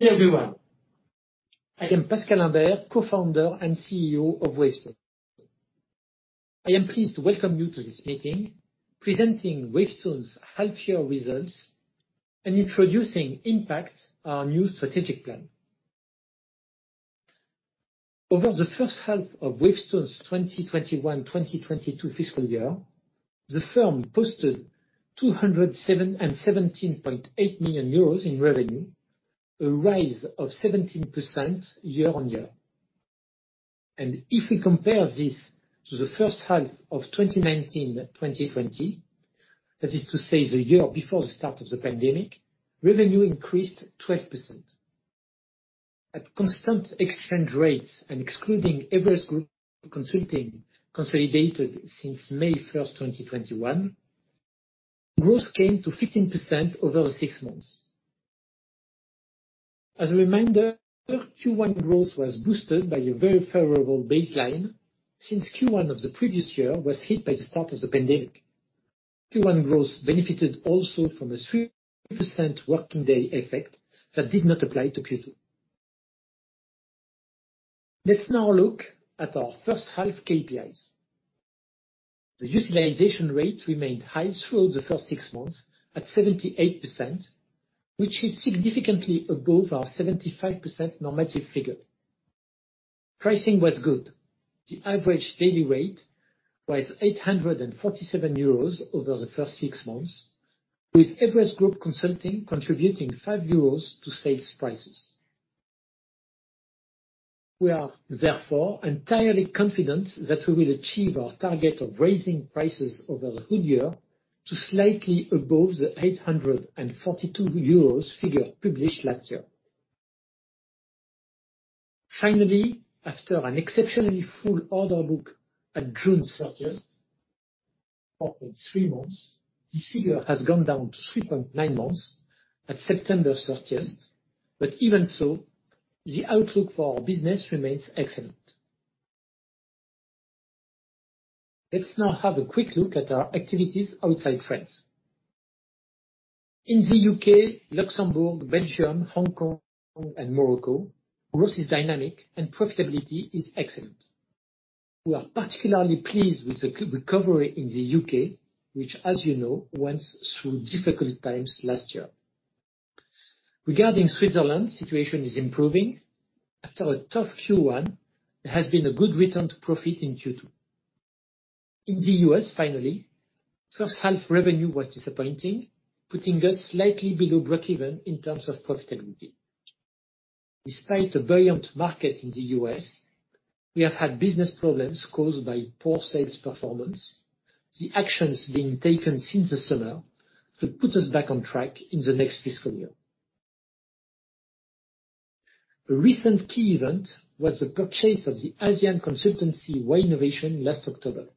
Everyone. I am Pascal Imbert, cofounder and CEO of Wavestone. I am pleased to welcome you to this meeting presenting Wavestone's half year results and introducing Impact, our new strategic plan. Over the first half of Wavestone's 2021-2022 fiscal year, the firm posted 217.8 million euros in revenue, a rise of 17% year-on-year. If we compare this to the first half of 2019-2020, that is to say the year before the start of the pandemic, revenue increased 12%. At constant exchange rates and excluding Everest Group Consulting consolidated since May 1, 2021, growth came to 15% over the six months. As a reminder, Q1 growth was boosted by a very favorable baseline since Q1 of the previous year was hit by the start of the pandemic. Q1 growth benefited also from a 3% working day effect that did not apply to Q2. Let's now look at our first half KPIs. The utilization rate remained high through the first six months at 78%, which is significantly above our 75% normative figure. Pricing was good. The average daily rate was 847 euros over the first six months, with Everest Group Consulting contributing 5 euros to sales prices. We are therefore entirely confident that we will achieve our target of raising prices over the whole year to slightly above the 842 euros figure published last year. Finally, after an exceptionally full order book at June 30th of four months, this figure has gone down to 3.9 months at September 30th, but even so, the outlook for our business remains excellent. Let's now have a quick look at our activities outside France. In the U.K., Luxembourg, Belgium, Hong Kong, and Morocco, growth is dynamic and profitability is excellent. We are particularly pleased with the recovery in the U.K., which, as you know, went through difficult times last year. Regarding Switzerland, the situation is improving. After a tough Q1, there has been a good return to profit in Q2. In the U.S., finally, first half revenue was disappointing, putting us slightly below breakeven in terms of profitability. Despite the buoyant market in the U.S., we have had business problems caused by poor sales performance. The actions being taken since the summer should put us back on track in the next fiscal year. A recent key event was the purchase of the ASEAN consultancy, why innovation!, last October.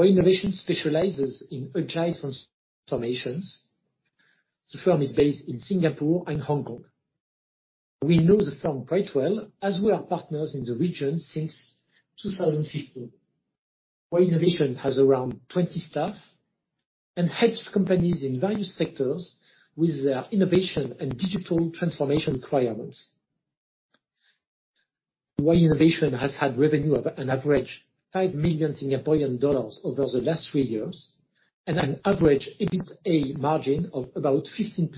why innovation! specializes in agile transformations. The firm is based in Singapore and Hong Kong. We know the firm quite well, as we are partners in the region since 2015. why innovation! has around 20 staff and helps companies in various sectors with their innovation and digital transformation requirements. why innovation! has had revenue of an average 5 million dollars over the last three years and an average EBITA margin of about 15%.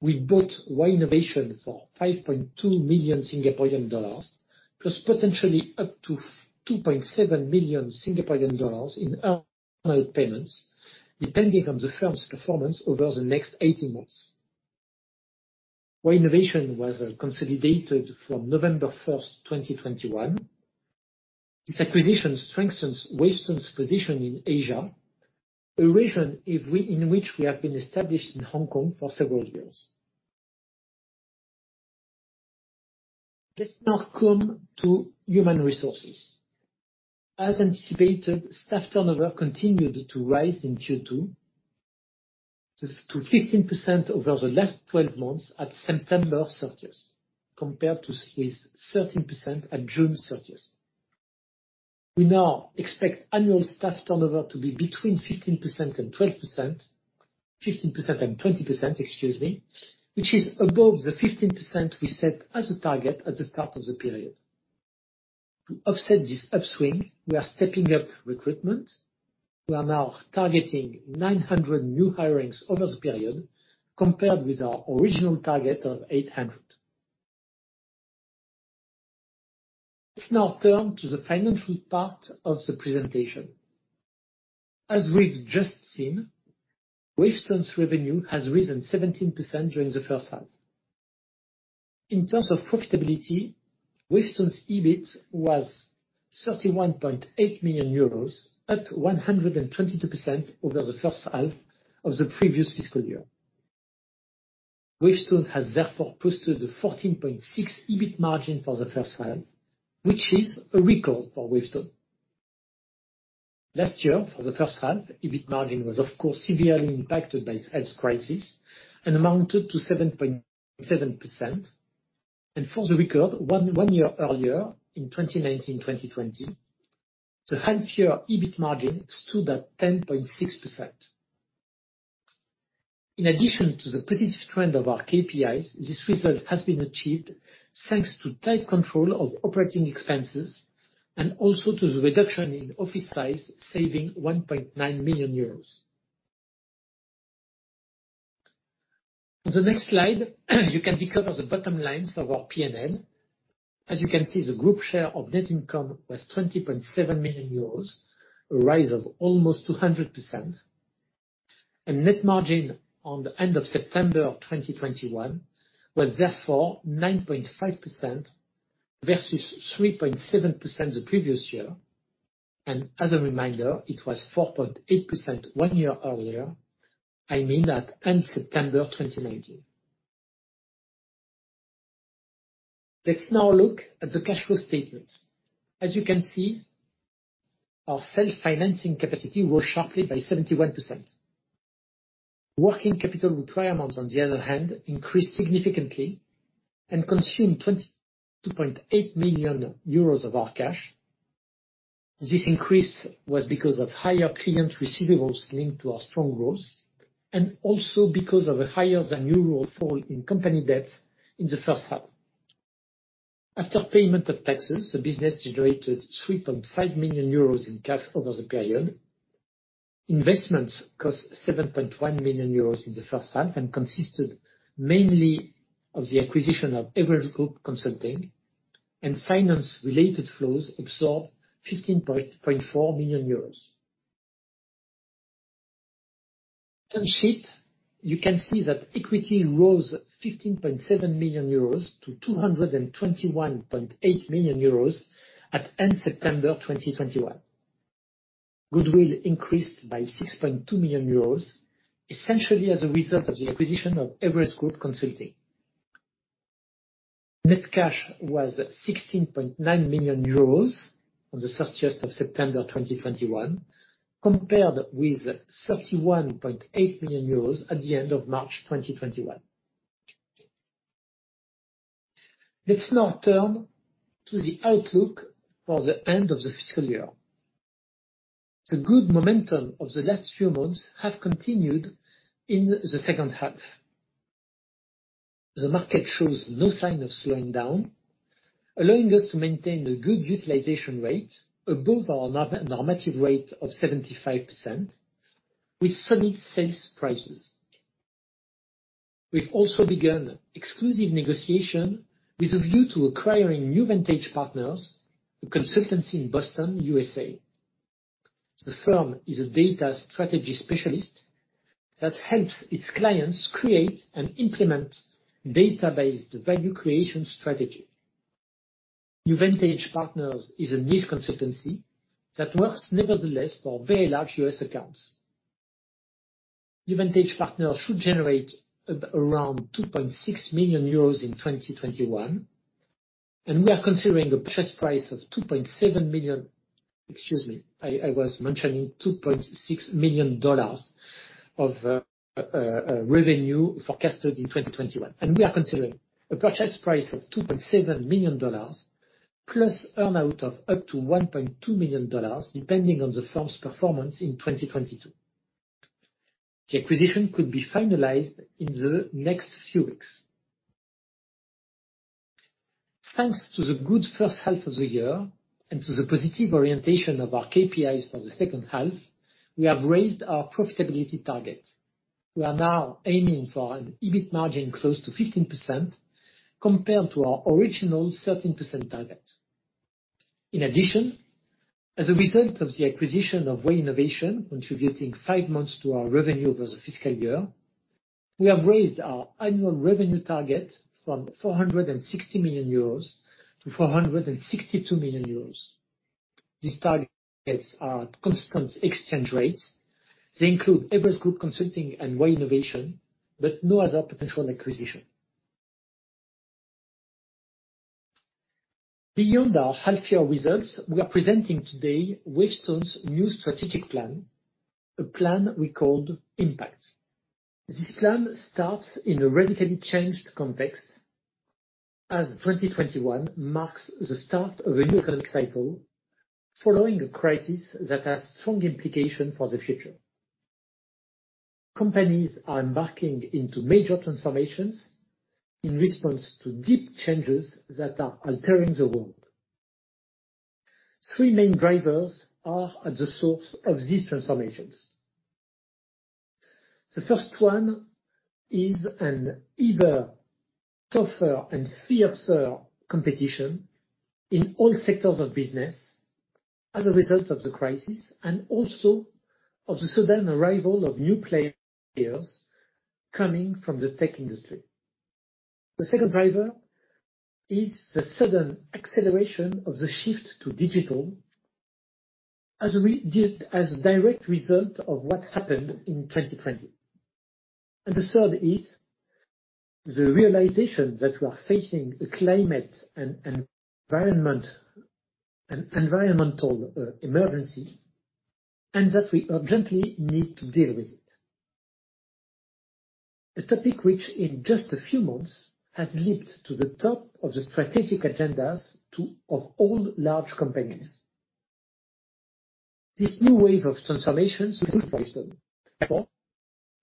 We bought why innovation! for 5.2 million dollars, plus potentially up to 2.7 million dollars in earn-out payments, depending on the firm's performance over the next 18 months. why innovation! was consolidated from November 1, 2021. This acquisition strengthens Wavestone's position in Asia, a region in which we have been established in Hong Kong for several years. Let's now come to human resources. As anticipated, staff turnover continued to rise in Q2 to 15% over the last twelve months at September thirtieth, compared to 13% at June thirtieth. We now expect annual staff turnover to be between 15% and 20%, excuse me, which is above the 15% we set as a target at the start of the period. To offset this upswing, we are stepping up recruitment. We are now targeting 900 new hirings over the period, compared with our original target of 800. Let's now turn to the financial part of the presentation. As we've just seen, Wavestone's revenue has risen 17% during the first half. In terms of profitability, Wavestone's EBIT was 31.8 million euros, up 122% over the first half of the previous fiscal year. Wavestone has therefore posted a 14.6% EBIT margin for the first half, which is a record for Wavestone. Last year, for the first half, EBIT margin was of course severely impacted by the health crisis and amounted to 7.7%. For the record, one year earlier in 2019, the half year EBIT margin stood at 10.6%. In addition to the positive trend of our KPIs, this result has been achieved thanks to tight control of operating expenses and also to the reduction in office size, saving 1.9 million euros. On the next slide, you can discover the bottom lines of our P&L. As you can see, the group share of net income was 20.7 million euros, a rise of almost 200%. Net margin on the end of September 2021 was therefore 9.5% versus 3.7% the previous year. As a reminder, it was 4.8% one year earlier. I mean at end September 2019. Let's now look at the cash flow statement. As you can see, our self-financing capacity rose sharply by 71%. Working capital requirements, on the other hand, increased significantly and consumed 22.8 million euros of our cash. This increase was because of higher client receivables linked to our strong growth, and also because of a higher than usual fall in company debt in the first half. After payment of taxes, the business generated 7.5 million euros in cash over the period. Investments cost 7.1 million euros in the first half, and consisted mainly of the acquisition of Everest Group Consulting and finance related flows absorbed EUR 15.4 million. On the balance sheet, you can see that equity rose 15.7 million euros to 221.8 million euros at the end of September 2021. Goodwill increased by 6.2 million euros, essentially as a result of the acquisition of Everest Group Consulting. Net cash was 16.9 million euros on 30 September 2021, compared with 31.8 million euros at the end of March 2021. Let's now turn to the outlook for the end of the fiscal year. The good momentum of the last few months have continued in the second half. The market shows no sign of slowing down, allowing us to maintain a good utilization rate above our normative rate of 75% with solid sales prices. We've also begun exclusive negotiation with a view to acquiring NewVantage Partners, a consultancy in Boston, USA. The firm is a data strategy specialist that helps its clients create and implement data-based value creation strategy. NewVantage Partners is a niche consultancy that works nevertheless for very large U.S. accounts. NewVantage Partners should generate around 2.6 million euros in 2021, and we are considering a purchase price of 2.7 million. Excuse me, I was mentioning $2.6 million of revenue forecasted in 2021. We are considering a purchase price of $2.7 million, plus earn-out of up to $1.2 million, depending on the firm's performance in 2022. The acquisition could be finalized in the next few weeks. Thanks to the good first half of the year and to the positive orientation of our KPIs for the second half, we have raised our profitability target. We are now aiming for an EBIT margin close to 15% compared to our original 13% target. In addition, as a result of the acquisition of why innovation!, contributing five months to our revenue over the fiscal year, we have raised our annual revenue target from 460 million-462 million euros. These targets are at constant exchange rates. They include Everest Group Consulting and why innovation!, but no other potential acquisition. Beyond our half year results, we are presenting today Wavestone's new strategic plan, a plan we called Impact. This plan starts in a radically changed context, as 2021 marks the start of a new economic cycle, following a crisis that has strong implication for the future. Companies are embarking into major transformations in response to deep changes that are altering the world. Three main drivers are at the source of these transformations. The first one is an even tougher and fiercer competition in all sectors of business as a result of the crisis and also of the sudden arrival of new players coming from the tech industry. The second driver is the sudden acceleration of the shift to digital as a direct result of what happened in 2020. The third is the realization that we are facing a climate and environmental emergency, and that we urgently need to deal with it. A topic which in just a few months has leaped to the top of the strategic agendas of all large companies. This new wave of transformations,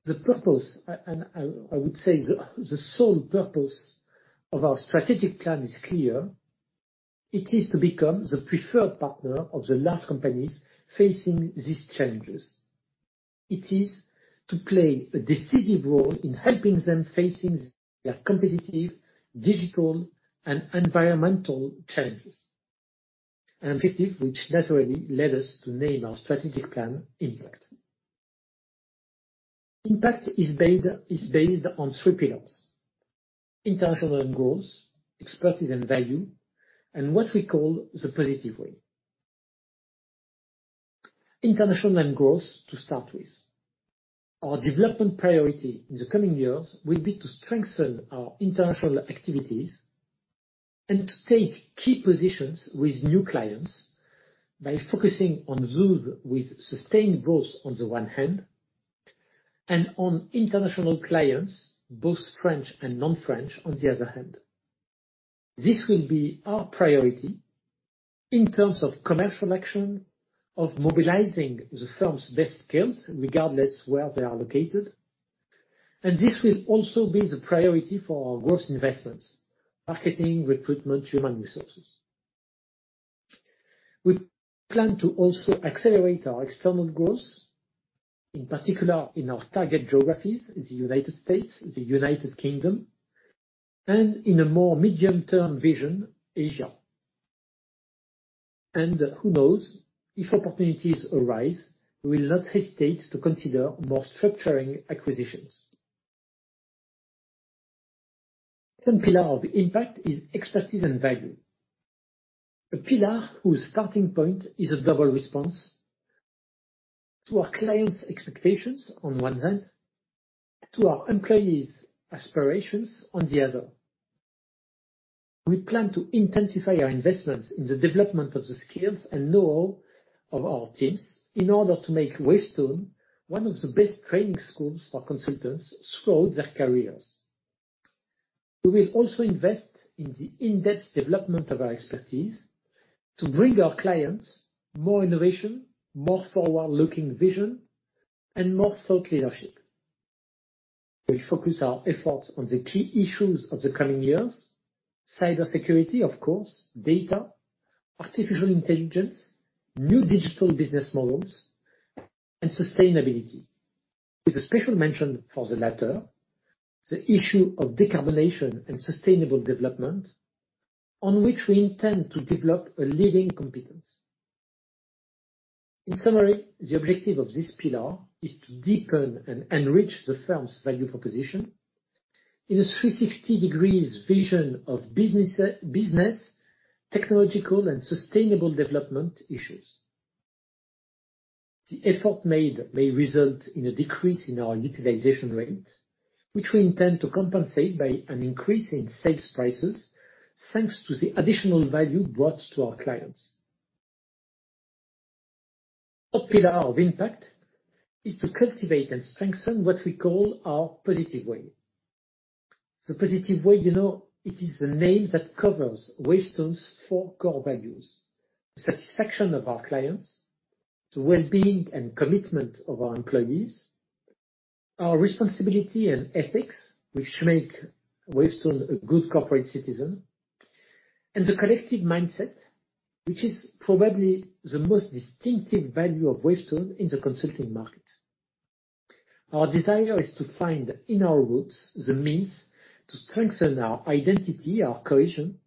the purpose, and I would say the sole purpose of our strategic plan is clear. It is to become the preferred partner of the large companies facing these challenges. It is to play a decisive role in helping them facing their competitive, digital, and environmental challenges. An objective which naturally led us to name our strategic plan Impact. Impact is based on three pillars. International Growth, Expertise and Value, and what we call The Positive Way. International Growth to start with. Our development priority in the coming years will be to strengthen our international activities and to take key positions with new clients by focusing on those with sustained growth on the one hand, and on international clients, both French and non-French, on the other hand. This will be our priority in terms of commercial action, of mobilizing the firm's best skills regardless where they are located, and this will also be the priority for our growth investments, marketing, recruitment, human resources. We plan to also accelerate our external growth, in particular in our target geographies, the U.S., the U.K., and in a more medium-term vision, Asia. Who knows, if opportunities arise, we'll not hesitate to consider more structuring acquisitions. Second pillar of Impact is Expertise and Value. A pillar whose starting point is a double response to our clients' expectations on one hand, to our employees' aspirations on the other. We plan to intensify our investments in the development of the skills and know-how of our teams in order to make Wavestone one of the best training schools for consultants throughout their careers. We will also invest in the in-depth development of our expertise to bring our clients more innovation, more forward-looking vision, and more thought leadership. We'll focus our efforts on the key issues of the coming years, cyber security, of course, data, artificial intelligence, new digital business models, and sustainability. With a special mention for the latter, the issue of decarbonization and sustainable development on which we intend to develop a leading competence. In summary, the objective of this pillar is to deepen and enrich the firm's value proposition in a 360-degree vision of business, technological, and sustainable development issues. The effort made may result in a decrease in our utilization rate, which we intend to compensate by an increase in sales prices, thanks to the additional value brought to our clients. Third pillar of Impact is to cultivate and strengthen what we call our Positive Way. The Positive Way, you know, it is the name that covers Wavestone's four core values. The satisfaction of our clients, the well-being and commitment of our employees, our responsibility and ethics, which make Wavestone a good corporate citizen, and the collective mindset, which is probably the most distinctive value of Wavestone in the consulting market. Our desire is to find in our roots the means to strengthen our identity, our cohesion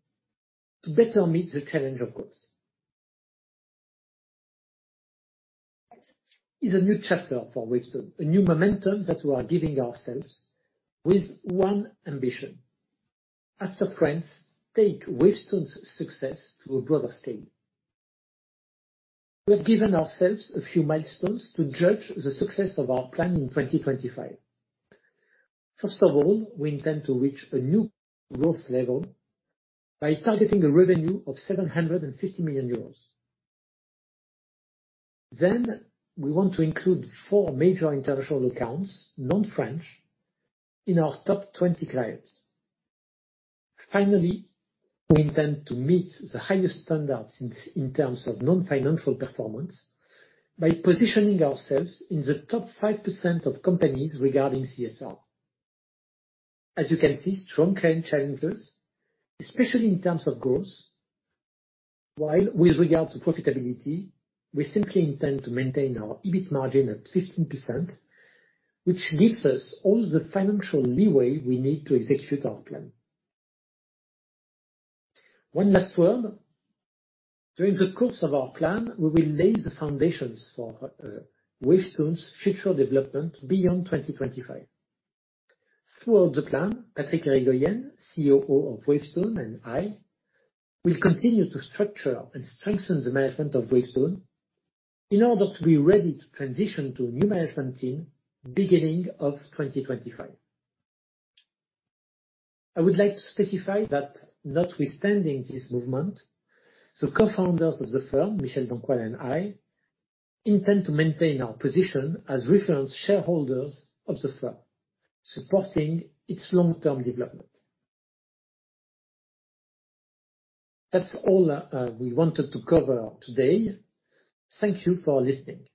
to better meet the challenge, of course. This is a new chapter for Wavestone, a new momentum that we are giving ourselves with one ambition: after France, to take Wavestone's success to a broader scale. We have given ourselves a few milestones to judge the success of our plan in 2025. First of all, we intend to reach a new growth level by targeting a revenue of 750 million euros. Then we want to include four major international accounts, non-French, in our top 20 clients. Finally, we intend to meet the highest standards in terms of non-financial performance by positioning ourselves in the top 5% of companies regarding CSR. As you can see, strong current challenges, especially in terms of growth, while with regard to profitability, we simply intend to maintain our EBIT margin at 15%, which gives us all the financial leeway we need to execute our plan. One last word. During the course of our plan, we will lay the foundations for Wavestone's future development beyond 2025. Throughout the plan, Patrick Hirigoyen, COO of Wavestone, and I will continue to structure and strengthen the management of Wavestone in order to be ready to transition to a new management team beginning of 2025. I would like to specify that notwithstanding this movement, the co-founders of the firm, Michel Dancoisne and I, intend to maintain our position as reference shareholders of the firm, supporting its long-term development. That's all, we wanted to cover today. Thank you for listening.